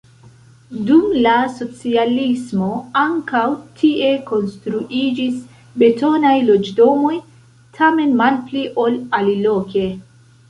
Dum la socialismo ankaŭ tie konstruiĝis betonaj loĝdomoj, tamen malpli, ol aliloke.